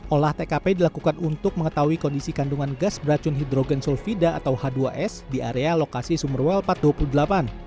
olah tkp dilakukan untuk mengetahui kondisi kandungan gas beracun hidrogen sulfida atau h dua s di area lokasi sumberwel empat ratus dua puluh delapan